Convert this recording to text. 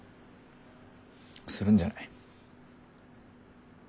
するんじゃない？